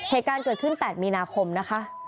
เหตุการณ์เกิดขึ้น๘มีนาคมนะคะ